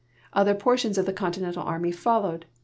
Other portions of the Continental Army followed.